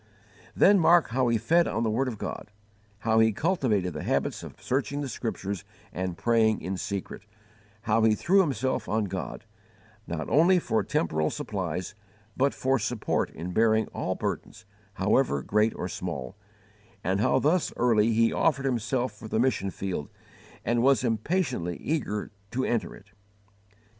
Then mark how he fed on the word of God; how he cultivated the habits of searching the Scriptures and praying in secret; how he threw himself on God, not only for temporal supplies, but for support in bearing all burdens, however great or small; and how thus early he offered himself for the mission field and was impatiently eager to enter it.